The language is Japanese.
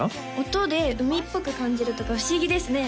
音で海っぽく感じるとか不思議ですね